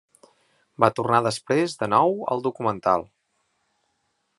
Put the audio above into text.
Va tornar després de nou al documental.